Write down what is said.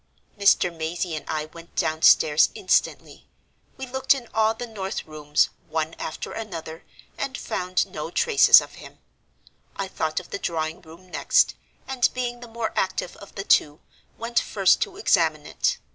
"Mr. Mazey and I went downstairs instantly. We looked in all the north rooms, one after another, and found no traces of him. I thought of the drawing room next, and, being the more active of the two, went first to examine it.